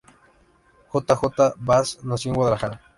J. J. Baz nació en Guadalajara.